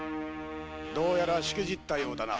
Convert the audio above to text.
どうやらしくじったようだな。